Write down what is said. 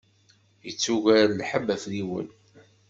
Yettugar lḥebb afriwen.